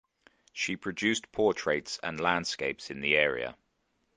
She produced portraits and landscapes in the area.